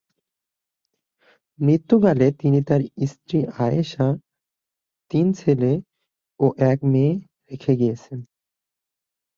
মৃত্যুকালে তিনি তার প্রথম স্ত্রী আয়েশা, তিন ছেলে ও এক মেয়ে রেখে গিয়েছেন।